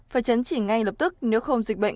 phải chấn chỉnh ngay lập tức nếu không dịch bệnh